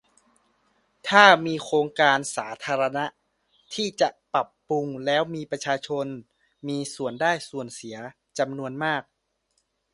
ถ้ามีโครงการสาธารณะที่จะปรับปรุงแล้วมีประชาชนมีส่วนได้ส่วนเสียจำนวนมาก